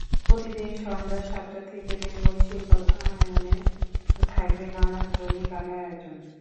প্রতিদিন সন্ধ্যা সাতটা থেকে বেঙ্গল শিল্পালয়ে থাকবে নানা ধরণের গানের আয়োজন।